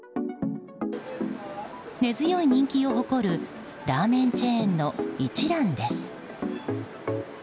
根強い人気を誇るラーメンチェーンの一蘭です。